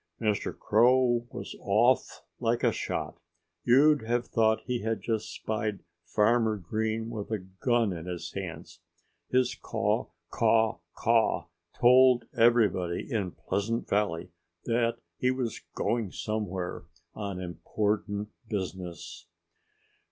Mr. Crow was off like a shot. You'd have thought he had just spied Farmer Green with a gun in his hands. His caw, caw, caw told everybody in Pleasant Valley that he was going somewhere on important business.